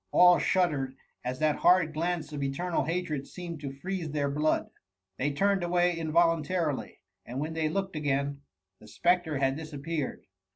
All shuddered as that horrid glance of eternal hatred seemed to freeze their blood. They turned away involuntarily ; and when they looked again, the spectre had disappeared.